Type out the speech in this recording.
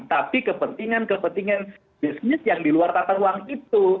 tapi kepentingan kepentingan bisnis yang di luar tata ruang itu